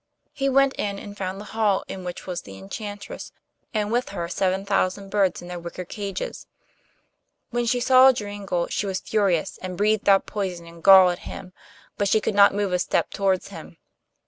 He went in and found the hall in which was the enchantress, and with her seven thousand birds in their wicker cages. When she saw Joringel she was furious, and breathed out poison and gall at him, but she could not move a step towards him.